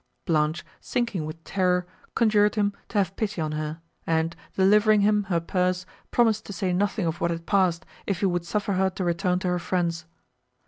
Blanche, sinking with terror, conjured him to have pity on her, and, delivering him her purse, promised to say nothing of what had passed, if he would suffer her to return to her friends.